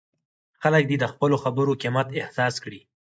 خلک دې د خپلو خبرو قیمت احساس کړي.